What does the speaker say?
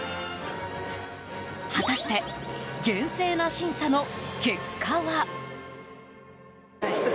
果たして、厳正な審査の結果は？